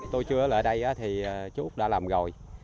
tôi chưa lại đây thì chú úc đã làm rồi